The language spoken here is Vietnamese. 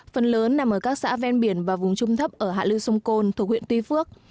phần lớn nằm ở các xã ven biển và vùng trung thấp ở hạ lưu sông côn thuộc huyện tuy phước